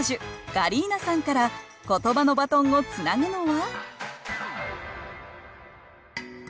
ガリーナさんからことばのバトンをつなぐのは？